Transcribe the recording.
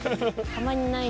たまにない。